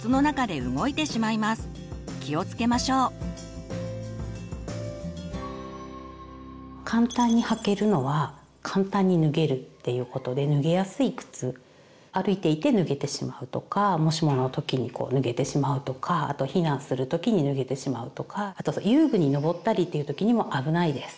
気をつけましょう。っていうことで脱げやすい靴歩いていて脱げてしまうとかもしもの時にこう脱げてしまうとかあと避難する時に脱げてしまうとかあと遊具にのぼったりという時にも危ないです。